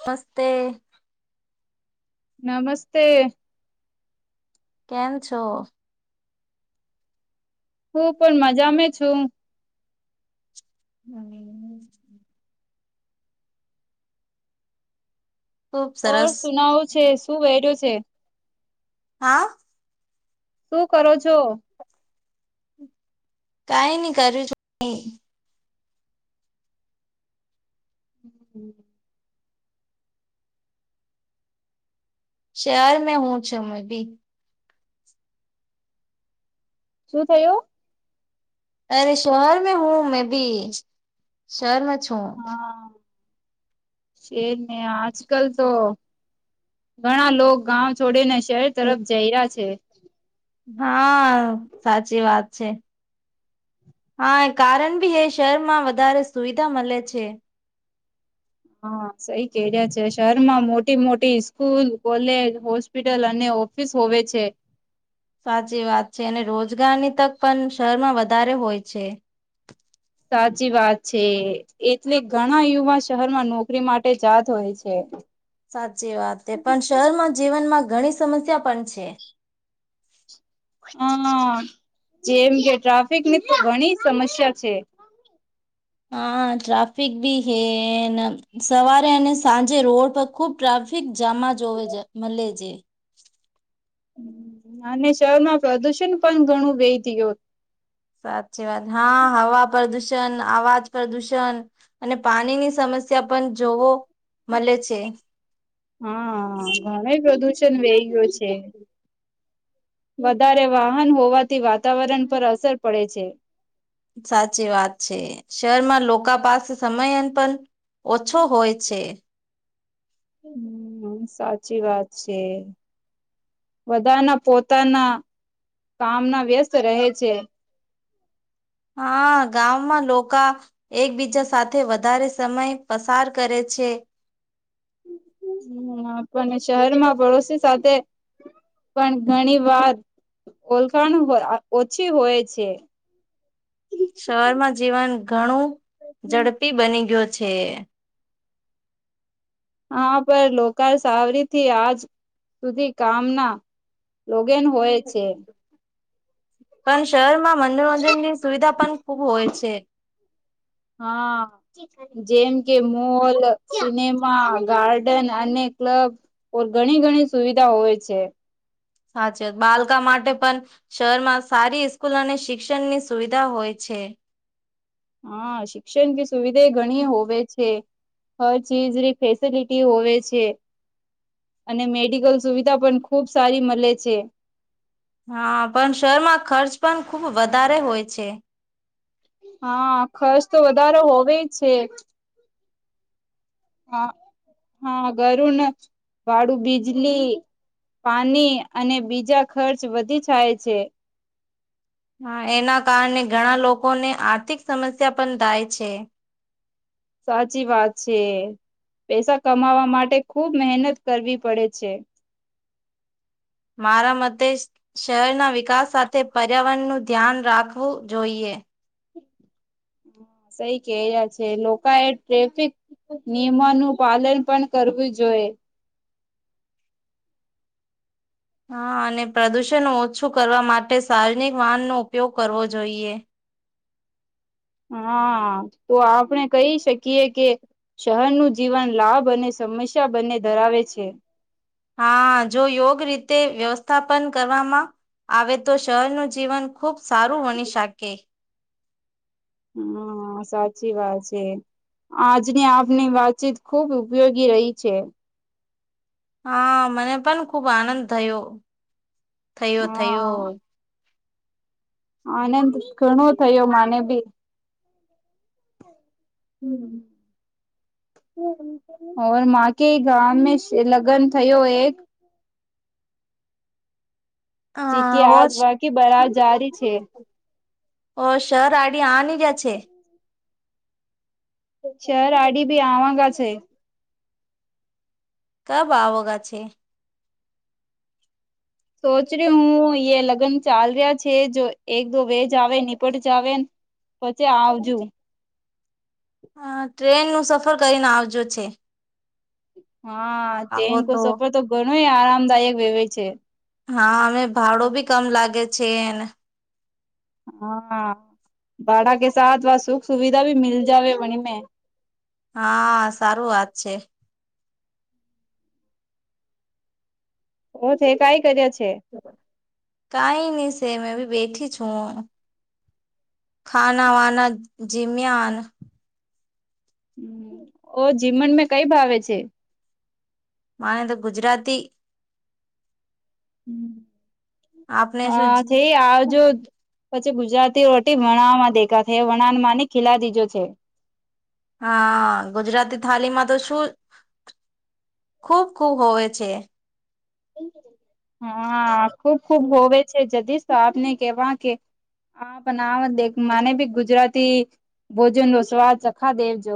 સસ્તે. નમસ્તે. કેમ છો? હું પણ મજા મે છું. હમ્મ ખુબ ઓર સરસ સુનાવું છે શું વહેર્યો છે. હા શું કરો છો? કાઈ નહી કરું છું. હમ્મ શહેર મે હું છ મેં બી. શું થયું? અરે શહેર મે હું મેં ભી શહેરમાં છું હા, શેર મેં આજ કલ તો ઘણા લોક ગાંવ છોડીને શહેર તરફ જઈ રા છે. હા સાચી વાત છે. હા કારણ બી હે શહેરમાં વધારે સુવિધા મલે છે. હા સઈ કેરિયા છે શહેરમાં મોટી મોટી સ્કૂલ કોલેજ હોસ્પિટલ અને ઓફિસ હોવે છે. સાચી વાત છે અને રોજગાર ની તક પણ શેહેરમાં વધારે હોય છે. સાચી વાત છે એટલે ઘણા યુવા શહેર માં નોકરી માટે જાત હોય છે. સાચી વાત પણ શહેરમાં જીવનમાં ઘણી સમસ્યા પણ છે. હ જેમ કે ટ્રાફિકની તો ઘણી સમસ્યા છે. હા, ટ્રાફિક ભી હે ન સવારે અને સાંજે રોડ પર ખુબ ટ્રાફ ફિક જામા જોવે મલે છે. અને શહેરમાં પ્રદુષણ પણ ઘણું વેહીતી ગયું. સાચી વાત હા હવા પ્રદુ ષન આવાજ પ્રદુષણ અને પાણીની સમસ્યા પણ જોવો. મલે છે. હા ઘણે પ્રદુષણ વેઇ ગયો છે. વધારે વાહન હોવાથી વાતાવરણ પર અસર પડે છે, સાચી વાત છે શહેરમાં લોકોકા પાસે સમયન પણ ઓછો હોય છે. હમ્મ સાચી વાત છે, બધાના પોતાના કામના વ્યસ્ત રહે છે, હા ગામમાં લોકા એકબીજા સાથે વધારે સમય પસાર કરે છે. છે. હમ પણ શહેરમાં પડોશી સાથે પણ ઘણી વાર ઓલ્ખાણ ઓછી હોય છે સવારમાં જીવન ઘણું ઝડપી બની ગયુ છે. આ પર લોકા સાવરીથી આજ સુધી કામના લોગેન હોય છે, પણ શહેરમાં મનોરંજનની સુવિધા પણ ખુબ હોય છે. હા, જેમ કે મોલ સિનેમા ગાર્ડન અને ક્લબ ઘણી ઘણી સુવિધા હોય છે, સાચીત બાળકા માટે પણ શહેર સારી સ્કૂલ અને શિક્ષણની સુવિધા હોય છે, હા શિક્ષણ સુવિધા એ ઘણી હોવે છે. હર ચીજની ફેસિલિટી હોવે છે, અને મેડિકલ સુવિધા પણ ખૂબ સારી મલૈ છે. હા પણ શહેરમાં ખર્ચ પણ ખુબ વધારે હોય છે. હા ખર્ચ તો વધારેો હોવે છે. હા હા ગરુન વાડું બીજલી પાણી અને બીજા ખર્ચ વધી જાય છે. હા એના કારણે ઘણા લોકોને આર્થિક સમસ્યા પણ થાય છે. સાચી વાત છે. પૈસા કમાવા માટે ખૂબ મહેનત કરવી પડે છે. મારા મતે શહેરના વિકાસ સાથે પર્યાવરણનું ધ્યાન રાખવું જોઈએ હ સઈ કે્યા છે લોકો એ ટ્રેફિક નિયમાનું પાલન પણ કરવું જોઈએ હા અને પ્રદૂષણ ઓછું કરવા માટે સાર્વજનિક વાહનનો ઉપયોગ કરવો જોઈએ હા તો આપણે કહી શકીએ કે શહેરનું જીવન લાભ અને સમસ્યા બંને ધરાવે છે. હા જો યોગ રીતે વ્યવસ્થાપન કરવામાં આવે તો શહેરનું જીવન ખૂબ સારું હોની શકે. હમ સાચી વાત છે. આજની આપની વાતચીત ખૂબ ઉપયોગી રહી છે. હા મને પણ ખુબ આનંદ થયો થયો થયો. હા આનંદ ઘણું થયો માને બી હમ ઓર માકે ગાવમે લગન થયો એક ચીકિ હા આજ હોશ બાકી બરા જારી છે. ઓ સર આડી આની જા છે. શર આડી બિ આવાગા છે કબ આવોગા છે. સોચ ર્યું હું એ લગ્ન ચાલ રહ્યા છે જો એક દો વેજ આવે નીપટ જાવ પછી આવજુ હ ટ્રેન ન સફર કરીને આવજો છે. હા ટ્રેન કો સફર તો ઘણોય આરામદાયક વવે છે. હા અમે ભાડો ભી કમ લાગે છેને હા ભાડા કે સાથ વા સુખ સુવિધા ભી મલ જવે વણી મે હા સારું વાત છે. ઓ થે કાઈ કર્યા છે. કાઈ ની છે મેં ભી બેઠી છું ખાના વાના જીમ્યાન ઓ જીમન મેં કઈ ભાવે છે. માને તો ગુજરાતી આપને શું હા થે ઇ આવજો ગુજરાતી રોટી વણામાં દેખા થે વણાન ની ખીલાતીજો છે હા ગુજરાતી થાળીમાં તો શું ખૂબ ખૂબ હોવે છે. હા ખુબ ખુબ હોવે છે જદીશ તો આપને કેવા કે હા પણ આ મને ભી ગુજરાતી ભોજન નો સ્વાદ સખા દેવજો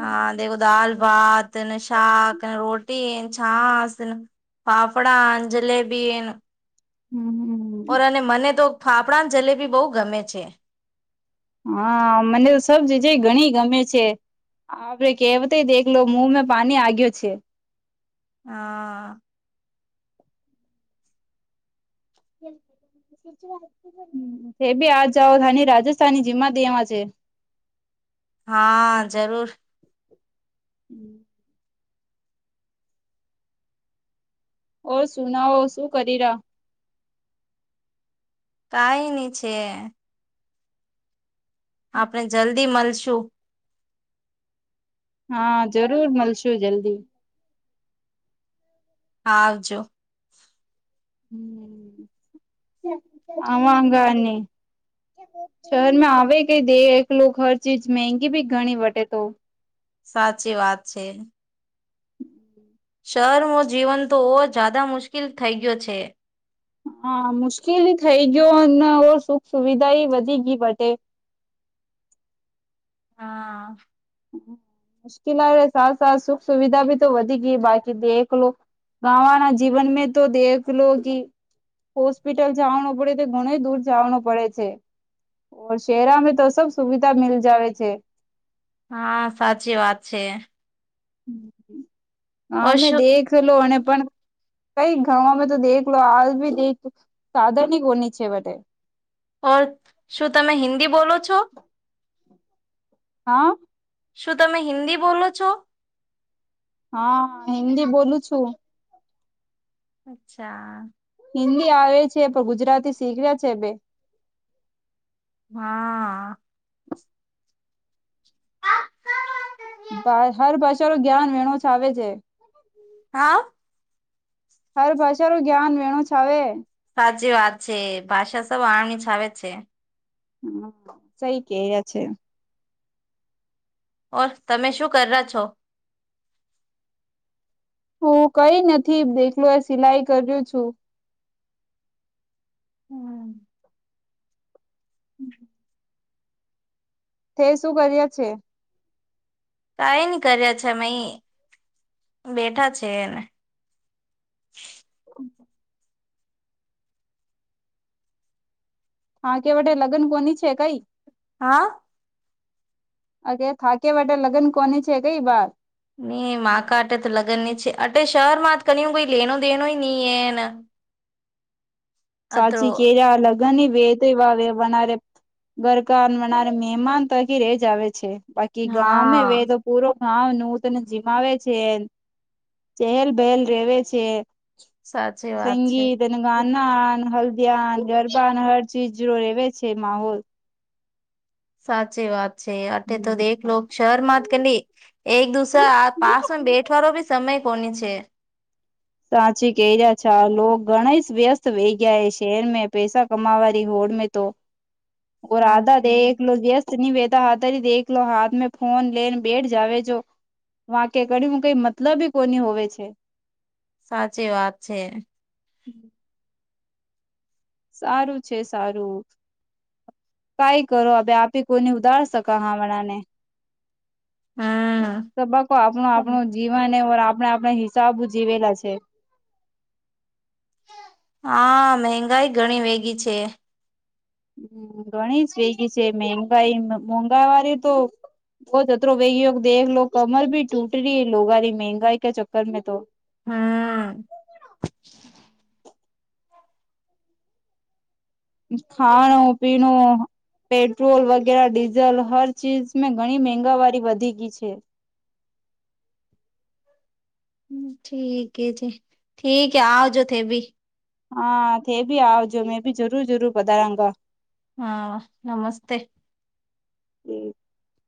હા દેવો દાલ, ભાતને, શાક, રોટી પીન્ છાસ પાપડા જલેબી એ ઓ હમ્મ. અને મને તો ફાફડાની જલેબી બહુ ગમે છે. હા મને તો સબજિ ઘણી ગમે છે. આપડે કેવતય દેખલો મુમાં પાણી આગયો છે. હા હમ. તે બી આ જાઓ આની રાજસ્થાની જેમાં દયા છે. [inaudible] હા જરૂર. હમ. ઓ સુનાવ શું કરી રાહ. કાઈની છે. આપણે જલ્દી મલશુ. હા જરૂર મળશુ જલ્દી. હા આવજો. હમ આવા ગ ન. શહેરમાં આવે કે દે એકલો હર ચીજ મેહગી ભી ઘણી વટે તો. સાચી વાત છે. હમ શરમાં જીવન તોવો જાદા મુશ્કેલ થઈ ગયો છે. હા મુશ્કેલી થઇ ગયો અને સુખ સુવિધા એ વધી ગઈ પટે [inaudible] હા. મુશ્કેલા એ સાર સાર સુખ સુવિધા ભી તો વધી ગઈ બાકી દેખલો ગાવા ના જીવન મે તો દેખ લો કી હોસ્પિટલ જવાનું પડે તો ઘણ દૂર જવાનું પડે છે. ઓ શહેરામાં તો સબ સુવિધા મિલ જાવે છે. હા સાચી વાત છે. ઓર હામે શું દેખલો અને પણ કઈ ગના મેં તો દેખ હાલ બી સાધનની કોની છે વટે ઓર શું તમે હિન્દી બોલો છો? હા. શું તમે હિન્દી બોલો છો? હા હિન્દી બોલું છું. અચ્છા હિન્દી આવે છે પણ ગુજરાતી શીખ્યા છે બે હાઆઆ ભા હર ભાષારો જ્ઞાન વેણું છાવે છે. હા હર ભાષારો જ્ઞાન વેણું છાવે. સાચી વાત છે ભાષા સબ આની છાવે છે. હમ સઈ કેય છે. ઓર તમે શું કર્યા છો હું કઈ નથી બેગને સિલાઈ કર્યો છું. હં. [inaudible] તે શું કર્યા છે કઈ ની કર્યા છે મે ઇ બેઠા છે ન. [inaudible] [inaudible] હા કેવટે લગ્ન કોની છે કઈ હા અગે થાકે વટે લગન કોની છે કઈ બાર? ની માકા અટે ત લગન ની છે. આટ શરમાંત કરીએ કોઈ લેનો, દનો નહી એના. સાચી કેયા અલગ [inaudible] હા બાકી ગામે [unintelligible] સાચી [inaudible] વાત છે. [inaudible] [unintelligible] સાચી વાત છે, આ તો દે લો શર માં. [unintelligible] [unintelligible] [inaudible] [unintelligible] [inaudible] [unintelligible] સાચી મતલબી કોની હોવે છે. સાચી વાત છે. [inaudible] સારું છે સારું [inaudible] હમ તંબાકુ આપણું આપણું જીવન એ [unintelligible] આપણે આપણે હિસાબ જીવેલા છે. હા-આ મેહગાઈ ઘણી વેગી છે. ઘણી જ વેગી છે [unintelligible] મોંઘા વારી તો [inaudible] હમ ખાણૂ પીણૂ પેટ્રોલ વગેરે ડીઝલ [inaudible] [inaudible] [unintelligible] હા, તે ભી આવજો, મેં ભી જરૂર જરૂર બધા રંગ. હા નમસ્તે [inaudible]